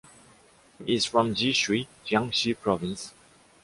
He is from Jishui, Jiangxi Province.